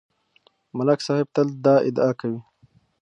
ملک صاحب تل دا دعا کوي